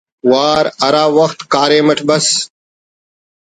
وار ہرا وخت کاریم اٹ بس